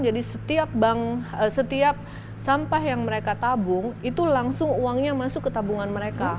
setiap sampah yang mereka tabung itu langsung uangnya masuk ke tabungan mereka